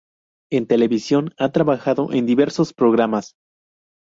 En televisión ha trabajado en diversos programas.